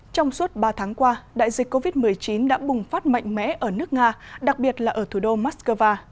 trong suốt ba tháng qua đại dịch covid một mươi chín đã bùng phát mạnh mẽ ở nước nga đặc biệt là ở thủ đô moscow